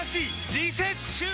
リセッシュー！